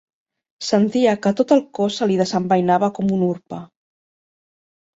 Sentia que tot el cos se li desembeinava com un urpa.